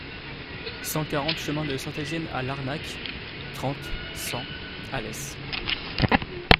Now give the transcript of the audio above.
cent quarante chemin de Saint-Etienne à Larnac, trente, cent, Alès